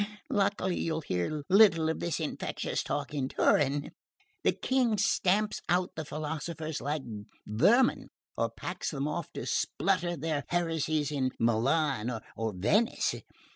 Luckily you'll hear little of this infectious talk in Turin: the King stamps out the philosophers like vermin or packs them off to splutter their heresies in Milan or Venice.